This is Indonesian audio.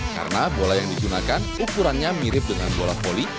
karena bola yang digunakan ukurannya mirip dengan bola volley